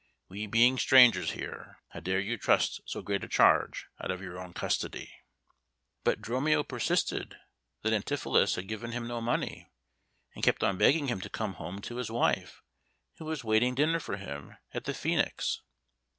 We being strangers here, how dare you trust so great a charge out of your own custody?" But Dromio persisted that Antipholus had given him no money, and kept on begging him to come home to his wife, who was waiting dinner for him at the Phœnix.